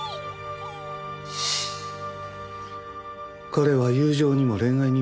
“彼”は友情にも恋愛にも無縁。